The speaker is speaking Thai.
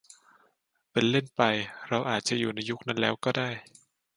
เป็นเล่นไป เราอาจจะอยู่ยุคนั้นแล้วก็ได้